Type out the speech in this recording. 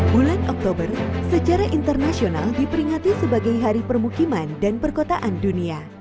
bulan oktober secara internasional diperingati sebagai hari permukiman dan perkotaan dunia